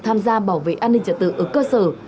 tham gia bảo vệ an ninh trật tự ở cơ sở